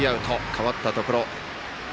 代わったところ。